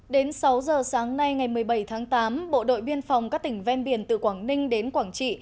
đến sáu giờ sáng nay ngày một mươi bảy tháng tám bộ đội biên phòng các tỉnh ven biển từ quảng ninh đến quảng trị